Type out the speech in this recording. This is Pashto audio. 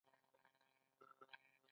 د چین نفوس په چټکۍ سره زیات شو.